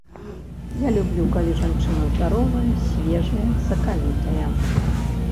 Я люблю, калі жанчына здаровая, свежая, сакавітая.